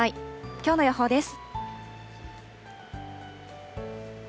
きょうの予報です。